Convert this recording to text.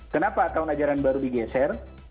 kenapa tahun ajaran baru digeser